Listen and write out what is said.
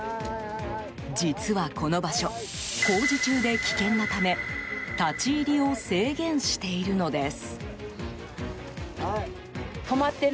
実は、この場所工事中で危険なため立ち入りを制限しているのです。